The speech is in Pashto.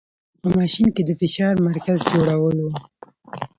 په ماشین کې د فشار مرکز جوړول و.